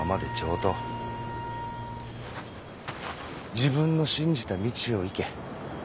自分の信じた道を行け。